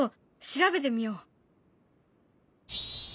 調べてみよう。